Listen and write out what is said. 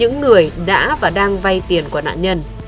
những người đã và đang vay tiền của nạn nhân